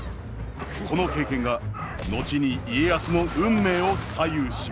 この経験が後に家康の運命を左右します。